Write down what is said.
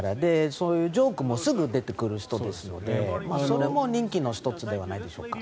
そういうジョークもすぐ出てくる人ですのでそれも人気の１つではないでしょうか。